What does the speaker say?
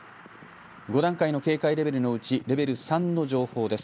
５段階の警戒レベルのうちレベル３の情報です。